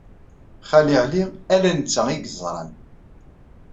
Xali Ɛli, ala netta i yeẓran.